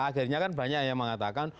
akhirnya kan banyak yang mengatakan